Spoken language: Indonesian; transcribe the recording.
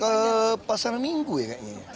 ke pasar minggu ya kayaknya